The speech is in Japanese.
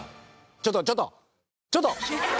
ちょっとちょっとちょっと！